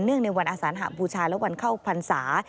ในวันอสานหบูชาและวันเข้าพรรษา